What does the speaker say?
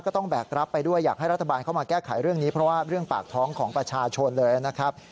แบกรับไปด้วยอยากให้รัฐบาลเข้ามาแก้ไขเรื่องนี้เพราะว่าเรื่องปากท้องของประชาชนเลยนะครับ